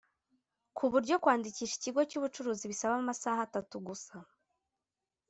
ku buryo kwandikisha ikigo cy’ubucuruzi bisaba amasaha atatu gusa